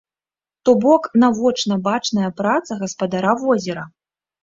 Ток бок навочна бачная праца гаспадара возера.